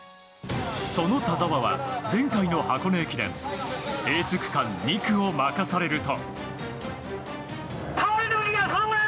その田澤は前回の箱根駅伝エース区間２区を任されると。